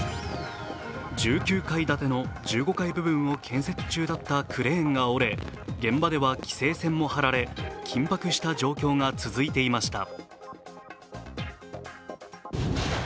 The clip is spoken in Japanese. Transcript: １９階建ての１５階部分を建設中だったクレーンが折れ、現場では規制線も張られ緊迫した状況が続いていました。